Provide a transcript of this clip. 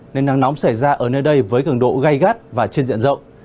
nên nắng nóng xảy ra ở nơi đây với cường độ gai gắt và trên diện rộng